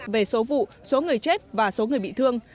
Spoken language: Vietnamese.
về số vụ số người chết và số người bị thương